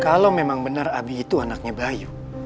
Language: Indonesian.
kalo memang bener abi itu anaknya bayu